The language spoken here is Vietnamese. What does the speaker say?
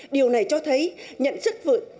điều này cho thấy nhận sức vượt